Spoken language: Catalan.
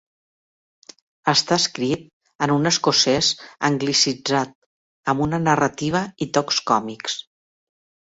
Està escrit en un escocès anglicitzat, amb una narrativa i tocs còmics.